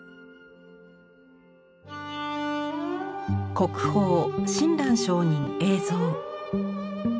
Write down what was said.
国宝「親鸞聖人影像」。